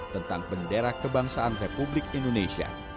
tentang bendera kebangsaan republik indonesia